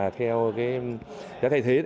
theo cái giá thay thế